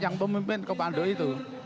yang pemimpin komando itu